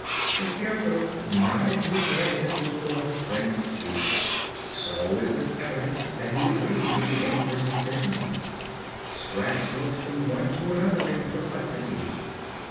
The Scarecrow nodded his head in approval of his friend's speech, so it was evident that he agreed with the Emperor's decision. Scraps looked from one to another in perplexity.